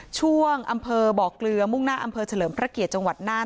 ช่วงอำเภอบ่อเกลือมุ่งหน้าอำเภอเฉลิมพระเกียรติจังหวัดน่าน